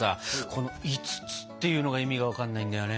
この５つっていうのが意味が分かんないんだよね。